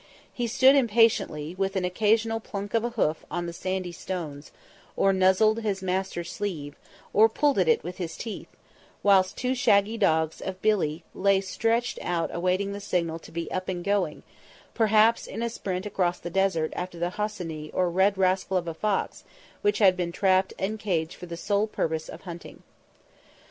He stood impatiently, with an occasional plunk of a hoof on the sandy stones, or nuzzled his master's sleeve, or pulled at it with his teeth, whilst two shaggy dogs of Billi lay stretched out awaiting the signal to be up and going, perhaps, in a sprint across the desert after the hosseny or red rascal of a fox which had been trapped and caged for the sole purpose of hunting.